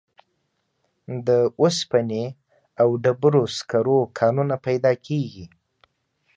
د اوسپنې او ډبرو سکرو کانونه پیدا کیږي.